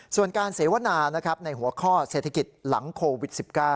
ส่วนการเสวนาในหัวข้อเศรษฐกิจหลังโควิด๑๙